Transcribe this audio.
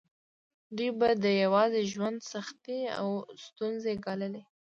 دوی به د یوازې ژوند سختې او ستونزې ګاللې.